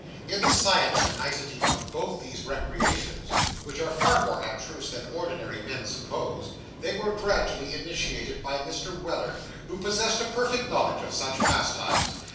In the science and nicety of both these recreations, which are far more abstruse than ordinary men suppose, they were gradually initiated by Mr. Weller, who possessed a perfect knowledge of such pastimes.